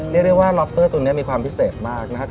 เรียกได้ว่าล็อปเตอร์ตัวนี้มีความพิเศษมากนะครับ